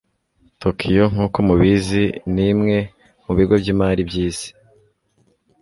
tokiyo, nkuko mubizi, nimwe mubigo byimari byisi